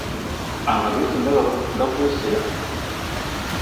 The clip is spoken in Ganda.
Amagezi ndaba gakwesera!